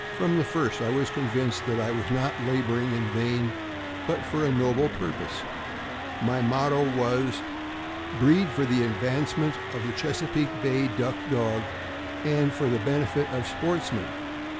From the first, I was convinced that I was not laboring in vain, but for a noble purpose. My motto was: '' Breed for the advancement of the Chesapeake Bay Duck Dog, and for the benefit of sports men."